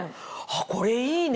これいいね！